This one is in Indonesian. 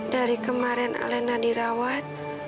dari kemarin alena dirawat